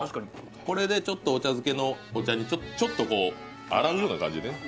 これでちょっとお茶漬けのお茶にちょっとこう洗うような感じでね